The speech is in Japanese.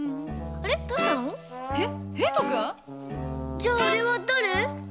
じゃああれはだれ？